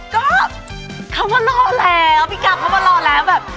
ก็เขามารอแล้วพี่กัมเขามารอแล้วแบบ